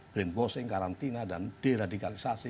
brainwashing karantina dan deradikalisasi